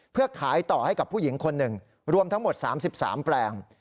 เพื่อขายต่อให้กับผู้หญิงคนหนึ่งรวมทั้งหมด๓๓แปลง